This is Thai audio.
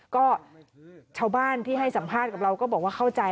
ก็ชาวบ้านที่ให้สัมภาษณ์กับเราก็บอกว่าเข้าใจ